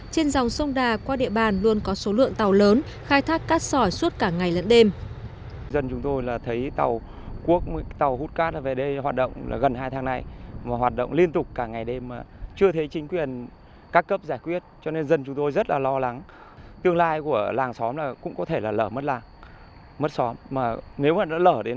trên dòng sông đà qua địa bàn luôn có số lượng tàu lớn khai thác cắt sỏi suốt cả ngày lẫn đêm